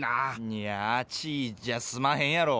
いや「あちい」じゃすまへんやろ！